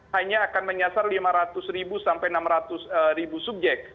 hanya akan menyasar lima ratus ribu sampai enam ratus ribu subjek